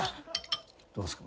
・どうっすか？